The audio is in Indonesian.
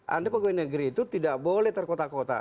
anda pegawai negeri itu tidak boleh terkota kota